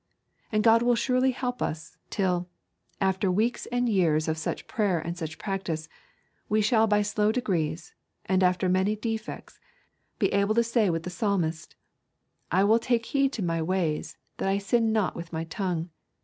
And God will surely help us, till, after weeks and years of such prayer and such practice, we shall by slow degrees, and after many defeats, be able to say with the Psalmist, 'I will take heed to my ways, that I sin not with my tongue.